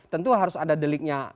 tentu harus ada deliknya